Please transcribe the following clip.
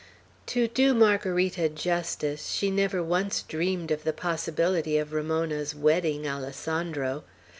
To do Margarita justice, she never once dreamed of the possibility of Ramona's wedding Alessandro.